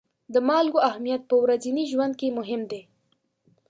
د مالګو اهمیت په ورځني ژوند کې مهم دی.